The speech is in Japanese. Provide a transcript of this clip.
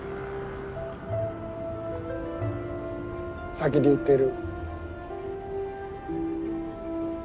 先に行ってる。